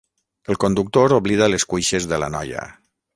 El conductor oblida les cuixes de la noia.